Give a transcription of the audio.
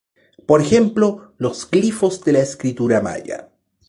Por ejemplo, los glifos de la escritura maya.